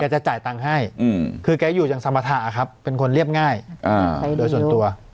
จะจ่ายตังค์ให้คือแกอยู่อย่างสมรรถะครับเป็นคนเรียบง่ายโดยส่วนตัว